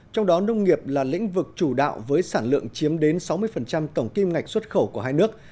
trong đó nông nghiệp là lĩnh vực chủ đạo với sản lượng chiếm đến sáu mươi tổng kim ngạch xuất khẩu của hai nước